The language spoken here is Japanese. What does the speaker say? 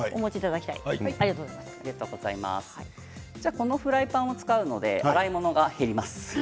このフライパンを使うので洗い物が減ります。